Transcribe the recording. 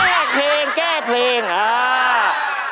แก้เพลงแก้เพลงอ่า